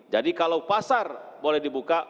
jadi kalau pasar boleh dibuka